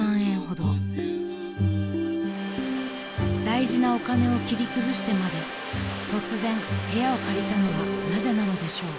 ［大事なお金を切り崩してまで突然部屋を借りたのはなぜなのでしょう？］